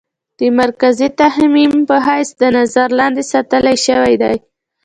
د مرکزي تهيم په حېث د نظر لاندې ساتلے شوې ده.